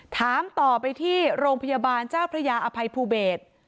ถามต่อไปที่โรงพยาบาลเจ้าพระยาอภัยภูเบศ